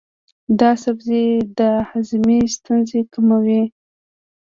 دا سبزی د هاضمې ستونزې کموي.